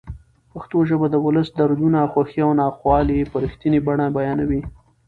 پښتو ژبه د ولس دردونه، خوښۍ او ناخوالې په رښتینې بڼه بیانوي.